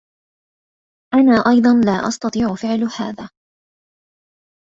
أنا أيضا لا أستطيع فعل هذا.